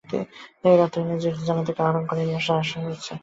এর অর্থ এ নয় যে, এটি জান্নাত থেকে আহরণ করে নিয়ে আসা হয়েছে।